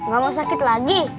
gak mau sakit lagi